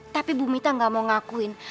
tapi bu mita gak mau ngakuin